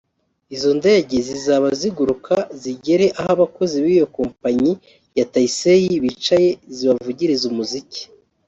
Izo ndege zizaba ziguruka zigere aho abakozi b’iyo kompanyi ya Taisei bicaye zibavugirize umuziki